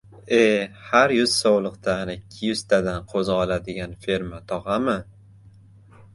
— E, har yuz sovliqdan ikki yuztadan qo‘zi oladigan «Ferma tog‘a»mi?